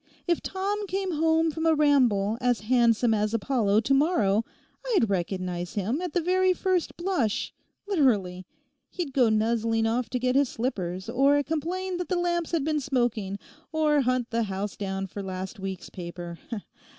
If Tom came home from a ramble as handsome as Apollo to morrow, I'd recognise him at the very first blush—literally! He'd go nuzzling off to get his slippers, or complain that the lamps had been smoking, or hunt the house down for last week's paper.